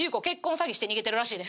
詐欺して逃げてるらしいで。